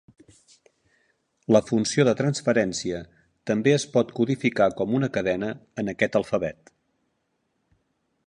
La funció de transferència també es pot codificar com una cadena en aquest alfabet.